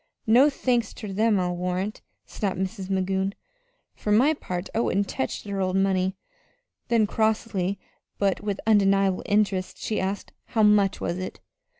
"No thanks ter them, I'll warrant," snapped Mrs. Magoon. "For my part, I wouldn't tech their old money." Then, crossly, but with undeniable interest, she asked: "How much was it?"